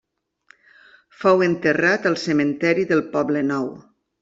Fou enterrat al Cementiri del Poblenou.